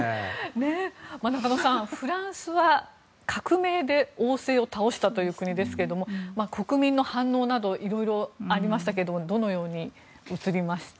中野さん、フランスは革命で王制を倒した国ですが国民の反応などいろいろありましたけどどのように映りましたか？